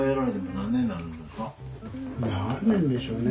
何年でしょうね？